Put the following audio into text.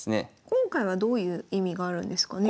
今回はどういう意味があるんですかね？